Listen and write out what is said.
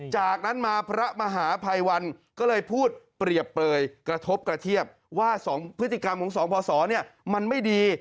จากนั้นมาพระมหาภัยวันก็เลยพูดเปรียบเปลยกระทบกระเทียบว่า๒พฤติกรรมของสองพศมันไม่ดี